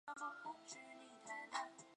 如对线性相关和线性变换的定义。